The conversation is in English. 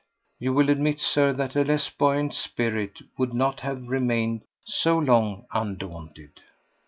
You will admit, Sir, that a less buoyant spirit would not have remained so long undaunted.